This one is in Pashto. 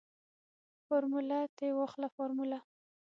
فارموله تې واخله فارموله.